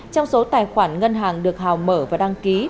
trong số tài khoản ngân hàng được hào mở và đăng ký